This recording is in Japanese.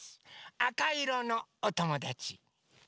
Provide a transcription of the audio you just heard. あかいろのおともだち。